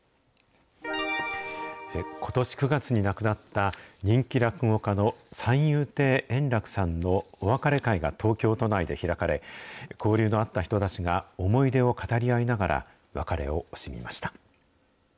ことし９月に亡くなった人気落語家の三遊亭円楽さんのお別れ会が東京都内で開かれ、交流のあった人たちが思い出を語り合いながら、別れを惜しみました。